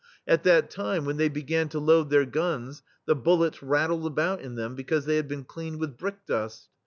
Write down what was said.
At that time, when they be gan to load their guns the bullets rat tled about in them, because they had been cleaned with brick dust.